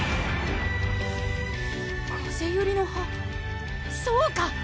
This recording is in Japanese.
風ゆりの葉そうか！